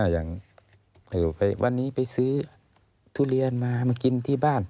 อย่างวันนี้ไปซื้อทุเรียนมามากินที่บ้าน